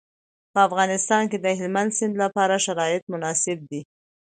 په افغانستان کې د هلمند سیند لپاره شرایط مناسب دي.